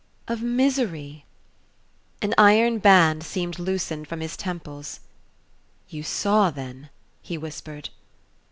"Of misery...." An iron band seemed loosened from his temples. "You saw then...?" he whispered.